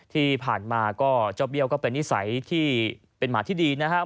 ที่ผ่านมาก็เจ้าเบี้ยวก็เป็นนิสัยที่เป็นหมาที่ดีนะครับ